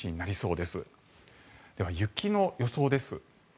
では、雪の予想です。